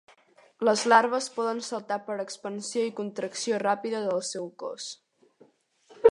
Les larves poden saltar per expansió i contracció ràpida del seu cos.